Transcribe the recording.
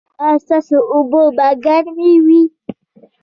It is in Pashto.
ایا ستاسو اوبه به ګرمې وي؟